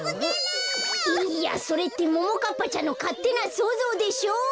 いいやそれってももかっぱちゃんのかってなそうぞうでしょ！